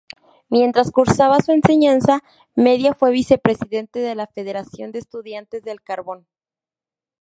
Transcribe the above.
Mientras cursaba su enseñanza media fue vicepresidente de la Federación de Estudiantes del Carbón.